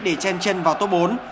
để chen chen vào tốt bốn